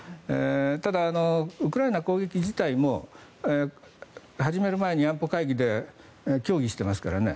ただ、ウクライナ攻撃自体も始める前に安保会議で協議していますからね。